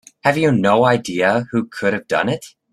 Have you no idea who could have done it?